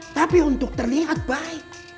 tapi untuk terlihat baik